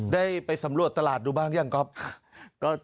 ได้ไปสำรวจตลาดดูบ้างยังก๊อฟ